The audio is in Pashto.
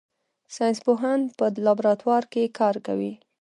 ساینس پوهان په لابراتوار کې کار کوي